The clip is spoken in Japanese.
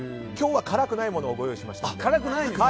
今日は辛くないものをご用意しましたので。